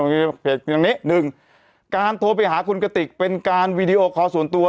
เพจอย่างนี้หนึ่งการโทรไปหาคุณกติกเป็นการวีดีโอคอลส่วนตัว